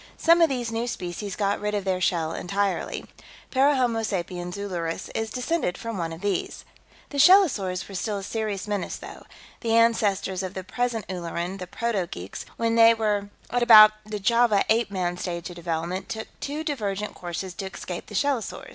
Some of these new species got rid of their shell entirely. Parahomo sapiens Ulleris is descended from one of these. "The shellosaurs were still a serious menace, though. The ancestors of the present Ulleran, the proto geeks, when they were at about the Java Ape Man stage of development, took two divergent courses to escape the shellosaurs.